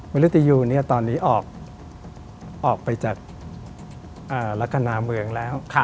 ริตยูตอนนี้ออกไปจากลักษณะเมืองแล้ว